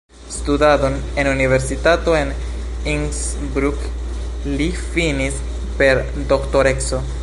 Studadon en universitato en Innsbruck li finis per doktoreco.